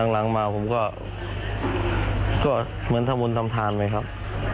หลังมาผมก็เหมือนทำบุญทำทานไปครับ